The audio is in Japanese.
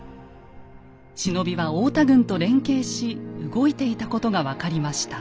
忍びは太田軍と連携し動いていたことが分かりました。